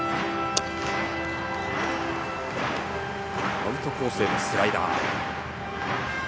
アウトコースへのスライダー。